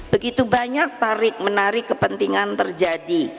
begitu banyak tarik menarik kepentingan terjadi